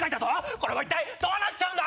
これは一体どうなっちゃうんだ！？